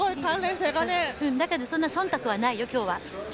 だけどそんな忖度はないよ、今日は。